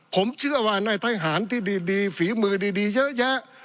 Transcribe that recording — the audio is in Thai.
ผมเชื่อว่าในทหารที่ดีฝีมือดีเยอะแยะ